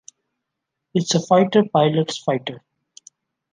It's a fighter pilot's fighter.